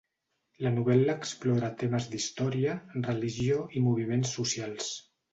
La novel·la explora temes d'història, religió i moviments socials.